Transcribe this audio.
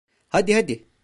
Hadi, hadi.